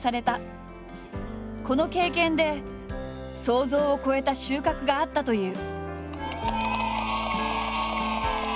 この経験で想像を超えた収穫があったという。